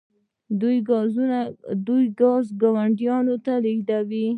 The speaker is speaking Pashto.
دوی ګاز ګاونډیو ته لیږي.